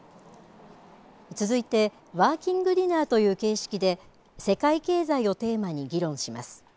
続いてワーキングディナーという形式で世界経済をテーマに議論します。